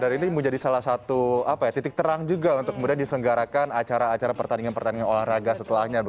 dan ini menjadi salah satu titik terang juga untuk diselenggarakan acara acara pertandingan pertandingan olahraga setelahnya